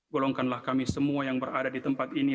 golongkanlah kami semua yang berada di tempat ini